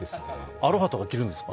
アロハとか着るんですか？